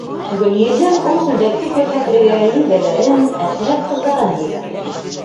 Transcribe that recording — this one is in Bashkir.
Гөлйөҙөм ул күлдәкте күрһәтергә еңгәләрен, әхирәт ҡыҙҙарын йыйҙы.